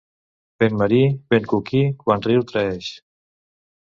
Vent marí, vent coquí, quan riu traeix.